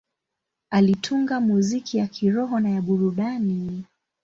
Alitunga muziki ya kiroho na ya burudani.